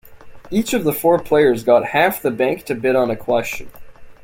Each of the four players got half the bank to bid on a question.